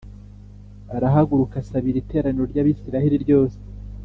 Arahaguruka asabira iteraniro ry Abisirayeli ryose